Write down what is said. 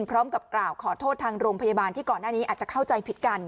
พร้อมกับกล่าวขอโทษทางโรงพยาบาลที่ก่อนหน้านี้อาจจะเข้าใจผิดกัน